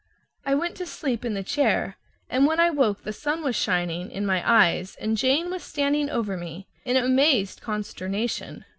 I went to sleep in the chair, and when I woke the sun was shining in my eyes and Jane was standing over me in amazed consternation.